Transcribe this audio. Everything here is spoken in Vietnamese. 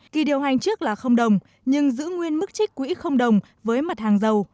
kỳ điều hành trước là đồng nhưng giữ nguyên mức trích quỹ không đồng với mặt hàng dầu